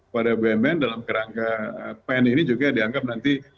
pada bumn dalam kerangka pen ini juga dianggap nanti